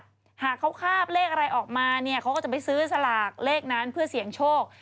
หากเขาคาบเลขอะไรออกมาเนี่ยเขาก็จะไปซื้อสลากเลขนั้นเพื่อเสี่ยงโชค